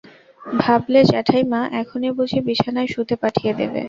ভাবলে জ্যাঠাইমা এখনই বুঝি বিছানায় শুতে পাঠিয়ে দেবে।